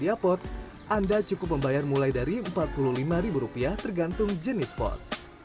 di apot anda cukup membayar mulai dari rp empat puluh lima tergantung jenis spot